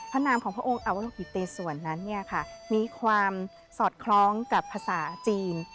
พระนามของพระองค์อาวุฬกิเตสวรนั้นมีความสอดคล้องกับภาษาจีน